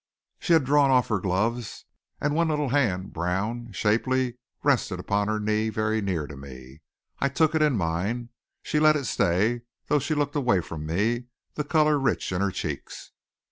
She had drawn off her gloves, and one little hand, brown, shapely, rested upon her knee very near to me. I took it in mine. She let it stay, though she looked away from me, the color rich in her cheeks.